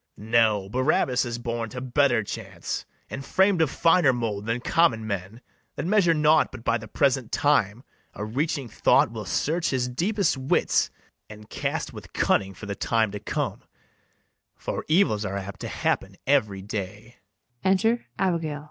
No, Barabas is born to better chance, And fram'd of finer mould than common men, That measure naught but by the present time. A reaching thought will search his deepest wits, And cast with cunning for the time to come; For evils are apt to happen every day.